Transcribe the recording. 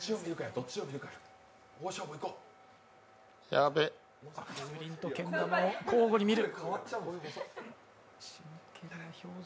やべ風鈴とけん玉を交互に見る。